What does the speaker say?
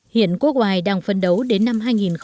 hiển quốc oai đang phân đấu đến năm hai nghìn hai mươi